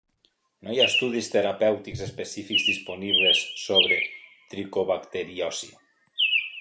No hi ha estudis terapèutics específics disponibles sobre tricobacteriosi.